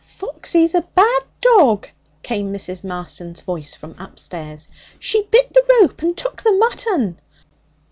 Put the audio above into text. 'Foxy's a bad dog!' came Mrs. Marston's voice from upstairs. 'She bit the rope and took the mutton!'